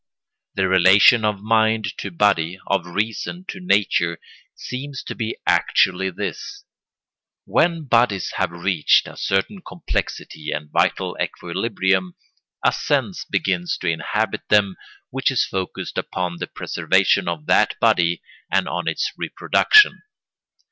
The relation of mind to body, of reason to nature, seems to be actually this: when bodies have reached a certain complexity and vital equilibrium, a sense begins to inhabit them which is focussed upon the preservation of that body and on its reproduction.